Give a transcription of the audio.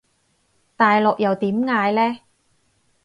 大陸又點嗌呢？